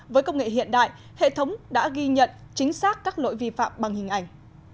với công nghệ hiện đại hệ thống đã ghi nhận chính xác các lỗi vi phạm bằng hình ảnh